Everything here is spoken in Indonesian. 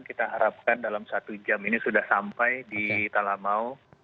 kita harapkan dalam satu jam ini sudah sampai di talamau